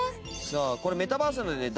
さあこれメタバースでね